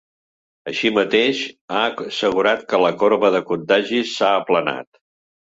Així mateix, ha assegurat que la corba de contagis s’ha aplanat.